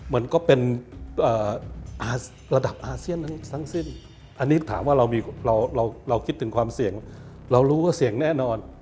มันก็เป็นระดับอาเซียนทั้งสิ้นอันนี้ถามว่าเราคิดถึงความเสี่ยงเรารู้ว่าเสี่ยงแน่นอน